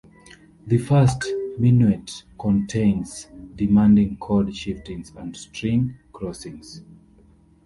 The first minuet contains demanding chord shiftings and string crossings.